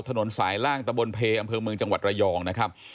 ถนนสายล่างตะบนเพอำเภอเมืองจังหวัดระยองนะครับ